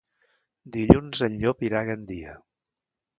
Dilluns en Llop irà a Gandia.